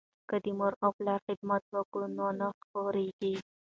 که د مور او پلار خدمت وکړو نو نه خواریږو.